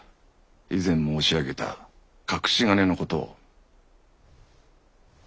以前申し上げた隠し金のことを。